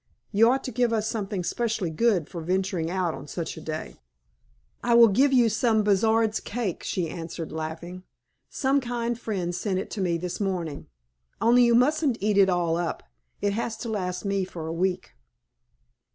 You ought to give us something specially good for venturing out on such a day." "I will give you some Buszard's cake," she answered, laughing; "some kind friend sent it to me this morning. Only you mustn't eat it all up; it has to last me for a week."